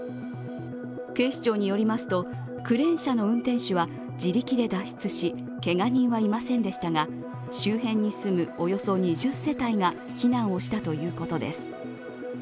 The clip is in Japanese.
警視庁によりますと、クレーン車の運転手は自力で脱出しけが人はいませんでしたが、周辺に住むおよそ２０世帯が避難をしたということです。